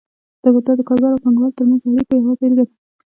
دا د کارګر او پانګه وال ترمنځ د اړیکو یوه بیلګه ده.